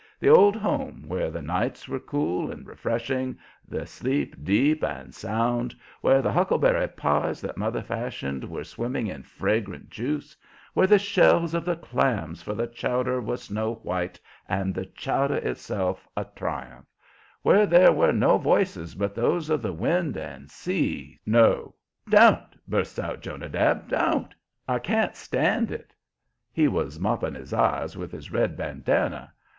The old home, where the nights were cool and refreshing, the sleep deep and sound; where the huckleberry pies that mother fashioned were swimming in fragrant juice, where the shells of the clams for the chowder were snow white and the chowder itself a triumph; where there were no voices but those of the wind and sea; no " "Don't!" busts out Jonadab. "Don't! I can't stand it!" He was mopping his eyes with his red bandanner.